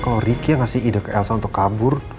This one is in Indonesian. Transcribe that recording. kalau ricky yang ngasih ide ke elsa untuk kabur